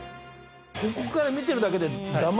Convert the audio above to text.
ここから見てるだけで。